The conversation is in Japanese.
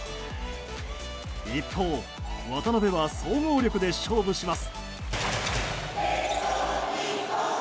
一方、渡邊は総合力で勝負します。